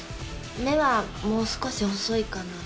目はもう少し細いかな。